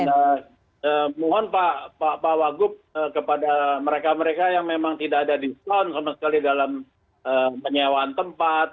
dan mohon pak wagu kepada mereka mereka yang memang tidak ada diskon sama sekali dalam penyewaan tempat